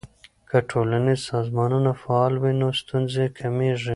که ټولنیز سازمانونه فعال وي نو ستونزې کمیږي.